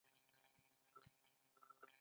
دا جذاب پښتين د سويلي وزيرستان دی.